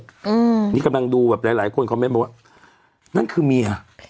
อืมนี่กำลังดูแบบหลายหลายคนคอมเมนต์บอกว่านั่นคือเมีย